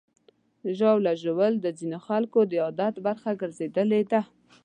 ژاوله ژوول د ځینو خلکو د عادت برخه ګرځېدلې ده.